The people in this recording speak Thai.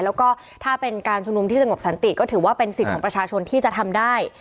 แล้วก็ถ้าเป็นการชุมนุมที่สงบสันติก็ถือว่าเป็นสิทธิ์ของประชาชนที่จะทำได้